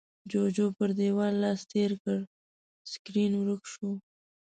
جُوجُو پر دېوال لاس تېر کړ، سکرين ورک شو.